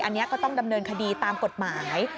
อันนี้ก็ต้องดำเนินคดีตามกฎหมาย